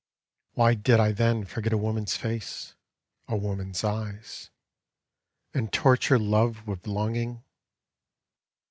Why did I then forget a woman^s face, A woman's eyes, And torture Love with longing?